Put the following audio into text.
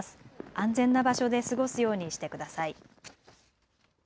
安全な場所で過ごすようにしてください。